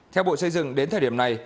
theo bộ xây dựng đến thời điểm này